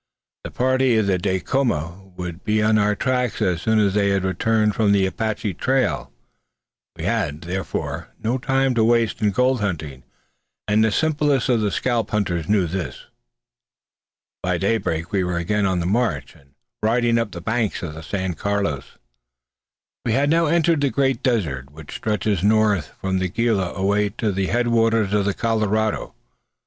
The party of Dacoma would be on our track as soon as they had returned from the Apache trail. We had, therefore, no time to waste in gold hunting, and the simplest of the scalp hunters knew this. By daybreak we were again on the march, and riding up the banks of the San Carlos. We had now entered the great desert which stretches northward from the Gila away to the head waters of the Colorado.